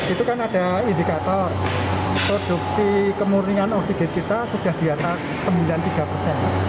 itu kan ada indikator produksi kemurnian oksigen kita sudah di atas